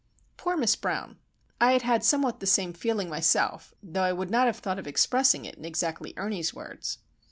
Poor Miss Brown! I had had somewhat the same feeling myself, though I would not have thought of expressing it in exactly Ernie's words.